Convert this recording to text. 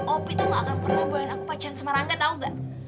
opi tuh gak akan pernah bohongin aku pacaran sama karangga tau gak